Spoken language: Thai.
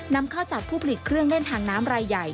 นำเข้าจากผู้ผลิตเครื่องเล่นทางน้ำรายใหญ่